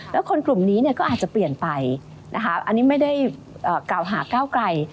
แล้วคนกลุ่มนี้เนี่ยก็อาจจะเปลี่ยนไปนะคะอันนี้ไม่ได้กล่าวหาก้าวไกล